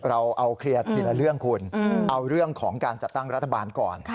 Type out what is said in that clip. เราเอาเคลียร์ทีละเรื่องคุณเอาเรื่องของการจัดตั้งรัฐบาลก่อน